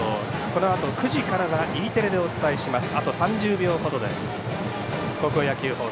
このあと９時からはＥテレでお伝えします。